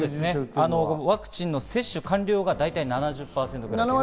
ワクチンの接種完了が大体７０％。